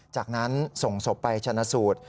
จากนั้นส่งศพไปชนะสูตร